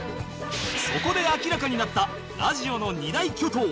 そこで明らかになったラジオの２大巨頭